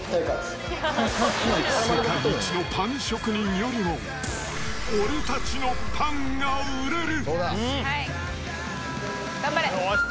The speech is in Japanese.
世界一のパン職人よりも、俺たちのパンが売れる。